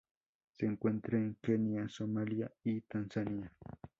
Se encuentra en Kenia Somalia y Tanzania.